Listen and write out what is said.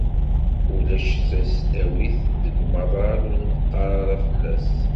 Ulac tasdawit deg umaḍal ur neqqar ara fell-as.